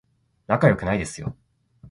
仲良くないですよ